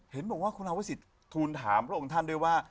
เห็นบอกว่าคุณอาวุสิตทูลถามพระองค์ท่านด้วยว่า